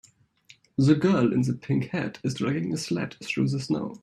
The girl in the pink hat is dragging a sled through the snow.